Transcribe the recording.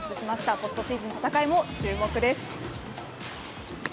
ポストシーズンの戦いも注目です。